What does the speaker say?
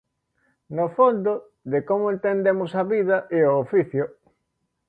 No fondo, de como entendemos a vida e o oficio.